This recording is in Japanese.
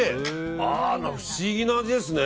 あら、不思議な味ですね。